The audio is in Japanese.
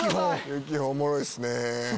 ユキホおもろいっすね。